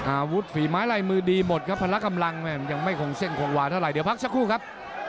อาวุธฝีไม้ลายมือดีหมดครับพละกำลังยังไม่คงเส้นคงวาเท่าไหรเดี๋ยวพักสักครู่ครับ